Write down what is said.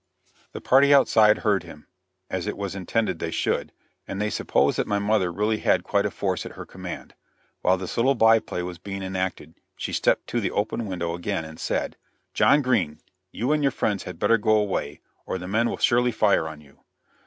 The party outside heard him, as it was intended they should, and they supposed that my mother really had quite a force at her command. While this little by play was being enacted, she stepped to the open window again and said: "John Green, you and your friends had better go away or the men will surely fire on you."